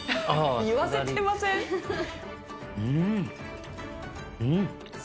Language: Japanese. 言わせてません？